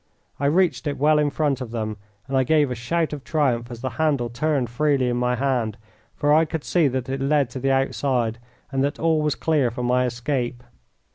I reached it well in front of them, and I gave a shout of triumph as the handle turned freely in my hand, for I could see that it led to the outside and that all was clear for my escape.